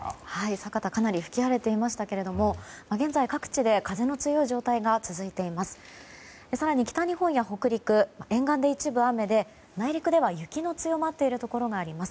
酒田はかなり吹き荒れていましたが現在、各地で風の強い状態が続いています。